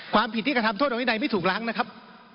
ความผิดที่กระทำโทษโดยวินัยไม่ถูกล้างนะครับ